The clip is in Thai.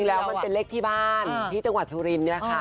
แล้วมันเป็นเลขที่บ้านที่จังหวัดสุรินทร์เนี่ยค่ะ